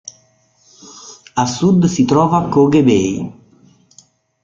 A sud si trova Køge Bay.